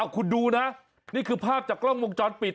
คุณดูนะนี่คือภาพจากกล้องวงจรปิด